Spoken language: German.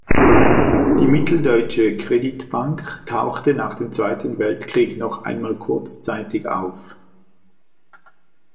Die Mitteldeutsche Creditbank tauchte nach dem Zweiten Weltkrieg noch einmal kurzzeitig auf.